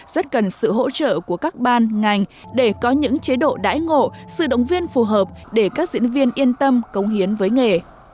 rất cần sự hỗ trợ của các ban ngành để có những chế độ đãi ngộ sự động viên phù hợp để các diễn viên yên tâm công hiến với nghề